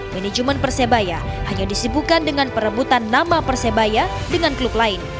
manajemen persebaya hanya disibukan dengan perebutan nama persebaya dengan klub lain